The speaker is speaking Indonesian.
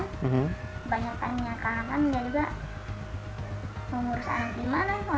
kebanyakan yang kelam kang dia juga mengurus anak di mana